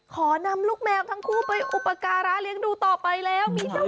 ขอนำลูกแมวทั้งคู่ไปอุปการะเลี้ยงดูต่อไปแล้ว